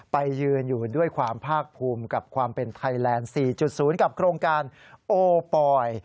ไปยืนอยู่ด้วยความภาคภูมิกับความเป็นไทยแลนด์๔๐กับโครงการโอปอย